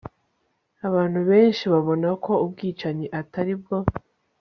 abantu benshi babona ko ubwicanyi atari bwo